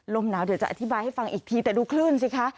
ลมหนาวเดี๋ยวจะอธิบายให้ฟังอีกทีแต่ดูคลื่นสิคะ